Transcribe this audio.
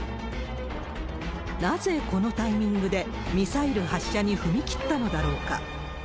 なぜこのタイミングでミサイル発射に踏み切ったのだろうか。